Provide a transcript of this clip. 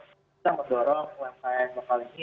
kita mendorong umkm lokal ini